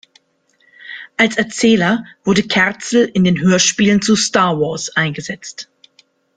Als Erzähler wurde Kerzel in den Hörspielen zu "Star Wars" eingesetzt.